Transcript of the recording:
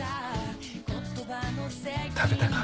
食べたか。